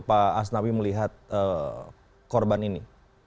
pak asnawi melihat korban ini